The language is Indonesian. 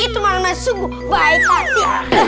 itu malamnya sungguh baik hati